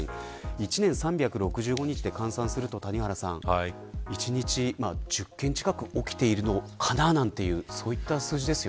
１年３６５日で換算すると谷原さん１日１０件近く起きているかなというそういった数字です。